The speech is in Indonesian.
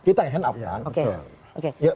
kita yang hand up